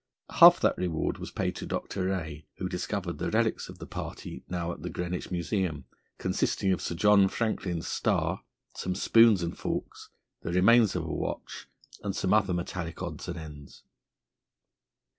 Half that reward was paid to Dr. Rae, who discovered the relics of the party, now at the Greenwich Museum, consisting of Sir John Franklin's star, some spoons and forks, the remains of a watch, and some other metallic odds and ends.